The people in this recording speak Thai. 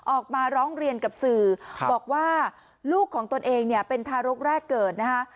ออกมาร้องเรียนกับสื่อบอกว่าลูกของตนเองเนี่ยเป็นทารกแรกเกิดนะคะ